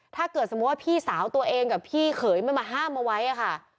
ถ้าเกิดสมมุติว่าพี่สาวตัวเองกับพี่เขยไม่มาห้ามเอาไว้ค่ะ